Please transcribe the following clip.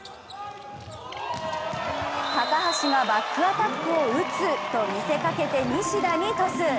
高橋がバックアタックを打つと見せかけて西田にトス。